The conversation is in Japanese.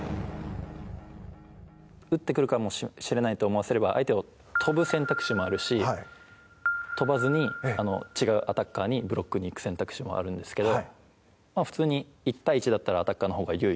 打ってくるかもしれないって思わせれば相手は跳ぶ選択肢もあるし跳ばずに違うアタッカーにブロックに行く選択肢もあるんですけど。